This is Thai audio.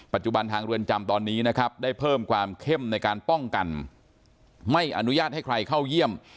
ทางเรือนจำตอนนี้นะครับได้เพิ่มความเข้มในการป้องกันไม่อนุญาตให้ใครเข้าเยี่ยม